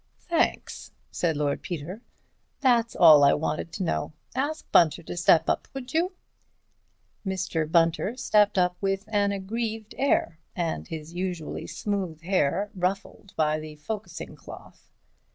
"Thanks," said Lord Peter, "that's all I wanted to know. Ask Bunter to step up, would you?" Mr. Bunter stepped up with an aggrieved air, and his usually smooth hair ruffled by the focussing cloth.